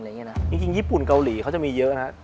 จริงญี่ปุ่นเกาหลีเขาจะมีเยอะนะ